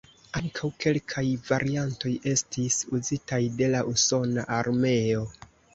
Ankaŭ kelkaj variantoj estis uzitaj de la Usona Armeo.